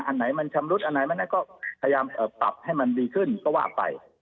อันไหนมันชำรุดอันไหนอันนั้นก็พยายามปรับให้มันดีขึ้นก็ว่าไป